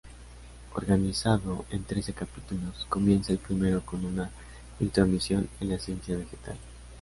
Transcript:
Organizado en trece capítulos, comienza el primero con una intromisión en la ciencia vegetal.